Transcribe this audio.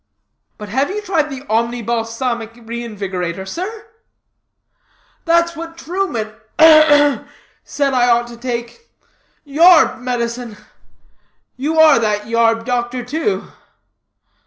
"But have you tried the Omni Balsamic Reinvigorator, sir?" "That's what that Truman ugh, ugh! said I ought to take. Yarb medicine; you are that yarb doctor, too?"